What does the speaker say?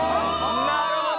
なるほど！